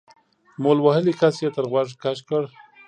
مول وهلي کس يې تر غوږ کش کړ.